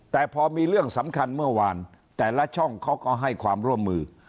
แต่พอมีเรื่องสำคัญเมื่อวานแต่ละช่องเขาก็ให้ความร่วมมือ